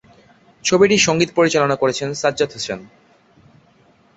ছবিটির সঙ্গীত পরিচালনা করেছেন সাজ্জাদ হোসেন।